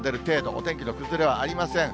お天気の崩れはありません。